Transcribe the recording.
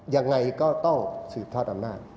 ยังไงก็ต้องสืบทอดอำนาจ